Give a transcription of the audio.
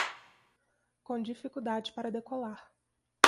Com dificuldade para decolar